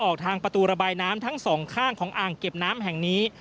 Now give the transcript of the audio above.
ออกทางประตูระบายน้ำทั้งสองข้างของอ่างเก็บน้ำแห่งนี้